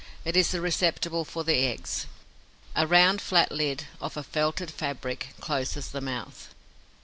It is the receptacle for the eggs. A round, flat lid, of a felted fabric, closes the mouth.